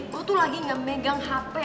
gue tuh lagi ga megang hp